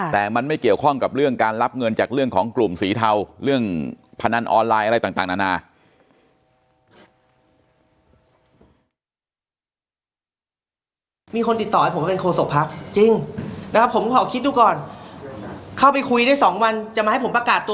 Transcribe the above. แต่มันไม่เกี่ยวข้องกับเรื่องการรับเงินจากเรื่องของกลุ่มสีเทาเรื่องพนันออนไลน์อะไรต่างนานา